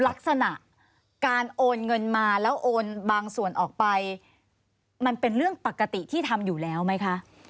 ลักษณะการโอนเงินมาแล้วโอนบางส่วนออกไปมันเป็นเรื่องปกติที่ทำอยู่แล้วไหมคะ